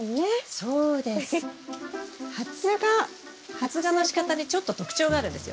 発芽のしかたにちょっと特徴があるんですよ。